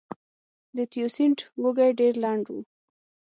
د تیوسینټ وږی ډېر لنډ و.